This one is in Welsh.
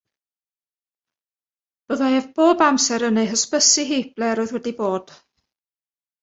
Byddai ef bob amser yn ei hysbysu hi ble'r oedd wedi bod.